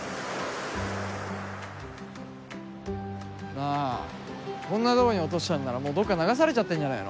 なあこんな所に落としたんならもうどっか流されちゃってんじゃねえの？